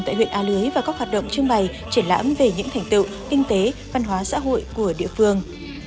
tại huyện a lưới và các hoạt động trưng bày triển lãm về những thành tựu kinh tế văn hóa xã hội của địa phương